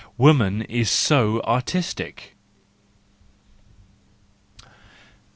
Woman is so artistic